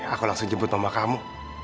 aku langsung jemput nama kamu